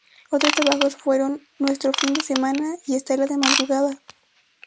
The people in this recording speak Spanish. Otros trabajos fueron "Nuestro fin de semana" y "Estela de madrugada".